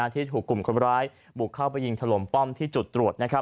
ที่ถูกกลุ่มคนร้ายบุกเข้าไปยิงถล่มป้อมที่จุดตรวจ